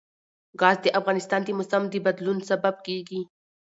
ګاز د افغانستان د موسم د بدلون سبب کېږي.